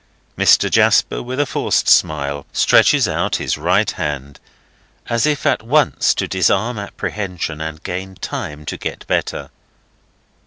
Mr. Jasper, with a forced smile, stretches out his right hand, as if at once to disarm apprehension and gain time to get better.